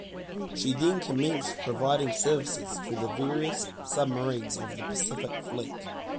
She then commenced providing services to various submarines of the Pacific Fleet.